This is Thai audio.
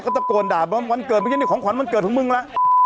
ก็ตะโกนด่าวันเกิดเพราะฉะนั้นเนี้ยของขวัญวันเกิดทั้งมึงล่ะ